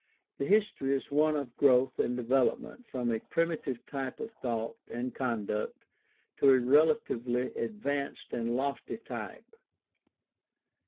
The history is one of growth or development from a primitive type of thought and conduct to a relatively advanced and lofty type.